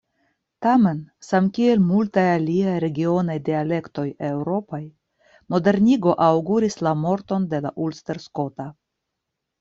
Tamen, samkiel multaj aliaj regionaj dialektoj eŭropaj, modernigo aŭguris la morton de la ulsterskota.